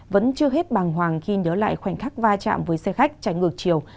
vẫn chưa hết bằng hoàng khi nhớ lại khoảnh khắc va chạm với xe khách chạy ngược chiều